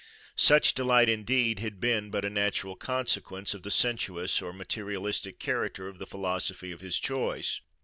Such delight indeed had been but a natural consequence of the sensuous or materialistic character of the philosophy of his choice.